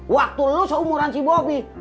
waktu lu seumuran si bobi